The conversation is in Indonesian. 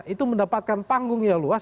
itu mendapatkan panggung yang luas